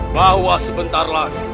bahwa sebentar lagi aku